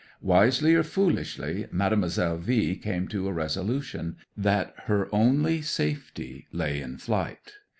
'Wisely or foolishly, Mademoiselle V came to a resolution: that her only safety lay in flight.